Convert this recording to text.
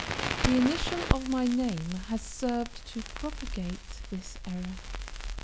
The initial of my name has served to propagate this error.